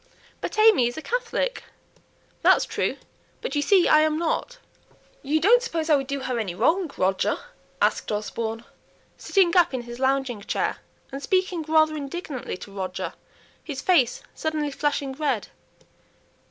"But AimÄe is a Catholic?" "That's true! but you see I am not. You don't suppose I would do her any wrong, Roger?" asked Osborne, sitting up in his lounging chair, and speaking rather indignantly to Roger, his face suddenly flushing red.